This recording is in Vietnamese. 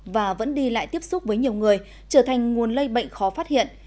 và vẫn đi lại tiếp xúc với nhiều người trở thành nguồn lây bệnh khó phát hiện